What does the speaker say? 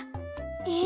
え！